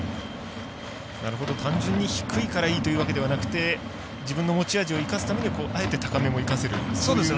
単純に低いからいいというわけではなくて自分の持ち味を生かすためにあえて高めをという。